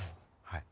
はい。